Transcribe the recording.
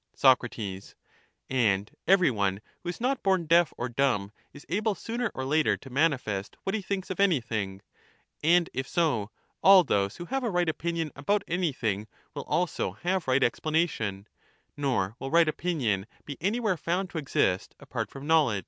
to ^^ Soc. And every one who is not born deaf or dumb is able who know, sooner or later to manifest what he thinks of anything ; and if so, all those who have a right opinion about anything will also have right explanation ; nor will right opinion be any where found to exist apart from knowledge.